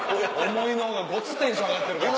思いのほかごっつテンション上がってるから。